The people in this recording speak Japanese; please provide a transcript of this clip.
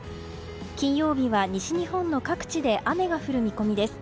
金曜日は西日本の各地で雨が降る見込みです。